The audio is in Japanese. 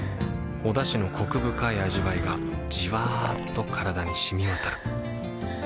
おだしのコク深い味わいがじわっと体に染み渡るはぁ。